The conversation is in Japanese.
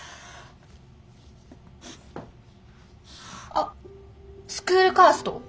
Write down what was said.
あっスクールカースト。